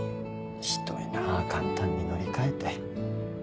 ひどいなあ簡単に乗り換えて。